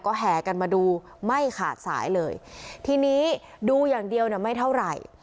ก็แห่กันมาดูไม่ขาดสายเลยทีนี้ดูอย่างเดียวเนี่ยไม่เท่าไหร่